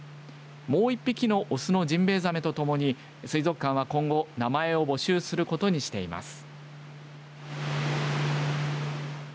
もう１匹の雄のジンベエザメとともに水族館は今後、名前を募集することにしています。